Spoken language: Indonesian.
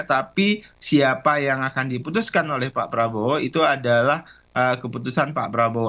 tapi siapa yang akan diputuskan oleh pak prabowo itu adalah keputusan pak prabowo